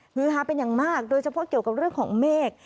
ฮือฮาเป็นอย่างมากโดยเฉพาะเกี่ยวกับเรื่องของเมฆ